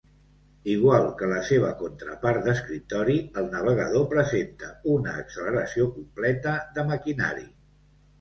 Igual que la seva contrapart d'escriptori, el navegador presenta una acceleració completa de maquinari.